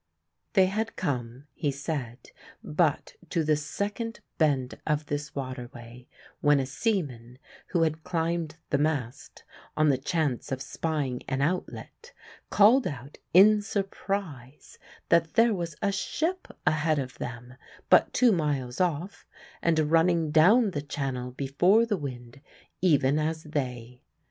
They had come, he said, but to the second bend of this waterway, when a seaman, who had climbed the mast on the chance of spying an outlet, called out in surprise that there was a ship ahead of them, but two miles off, and running down the channel before the wind, even as they.